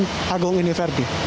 ke jaksaan agung ini ferdy